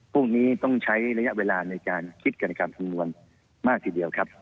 พวกนี้ต้องใช้ระยะเวลาในการคิดกันการทั้งมวลมากทีเดียวครับ